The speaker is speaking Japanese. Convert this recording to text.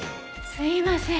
すいません。